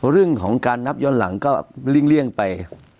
เรื่องของการนับย้อนหลังก็เลี่ยงไป